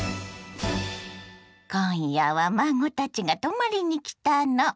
今夜は孫たちが泊まりに来たの。